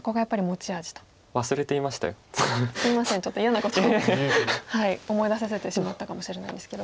ちょっと嫌なことを思い出させてしまったかもしれないんですけど。